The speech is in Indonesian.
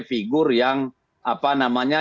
figur yang apa namanya